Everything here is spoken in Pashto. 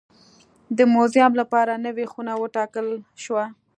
د موزیم لپاره نوې خونه وټاکل شوه.